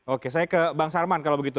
oke saya ke bang sarman kalau begitu